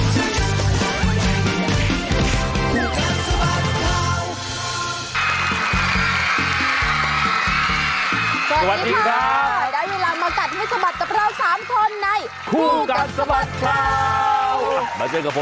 สวัสดีครับ